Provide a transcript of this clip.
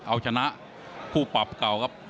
เอาชนะคู่ปรับเก่าครับ